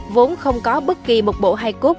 vốn không có bất kỳ một bộ hài cốt